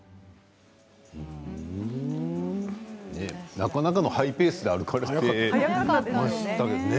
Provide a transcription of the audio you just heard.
なかなかのハイペースで歩かれていましたね。